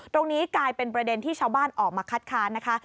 ตรงนี้กลายเป็นประเด็นที่ชาวบ้านออกมาคัดค้านนะคะ